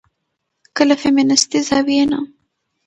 که له فيمنستي زاويې نه